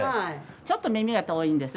ちょっと耳が遠いんです。